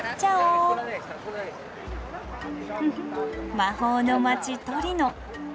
魔法の街トリノ。